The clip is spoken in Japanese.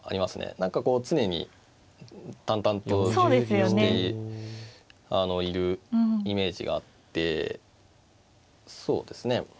何かこう常に淡々としているイメージがあってそうですね